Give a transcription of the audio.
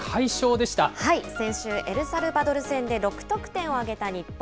先週、エルサルバドル戦で６得点を挙げた日本。